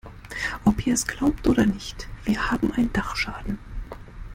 Ob ihr es glaubt oder nicht, wir haben einen Dachschaden.